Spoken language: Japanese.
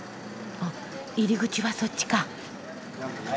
あっ入り口はそっちか。